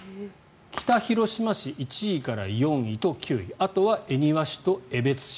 北広島市、１位から４位と９位あとは恵庭市と江別市。